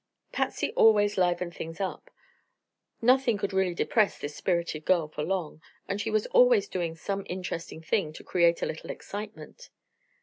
Patsy always livened things up. Nothing could really depress this spirited girl for long, and she was always doing some interesting thing to create a little excitement.